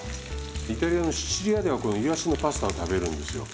イタリアのシチリアではこのイワシのパスタを食べるんですよ。